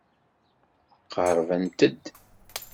Qerrbent-d.